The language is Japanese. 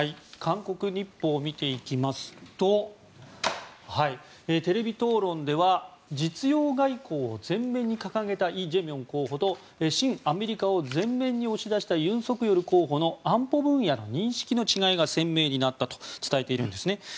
韓国日報を見ていきますとテレビ討論では実用外交を前面に掲げたイ・ジェミョン候補と親アメリカを前面に押し出したユン・ソクヨル候補の安保分野の認識の違いが鮮明になったと伝えているんですね。